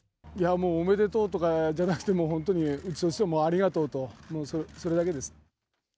もう、おめでとうとかじゃなくて、もう本当にうちとしてもありがとうと、それだけです。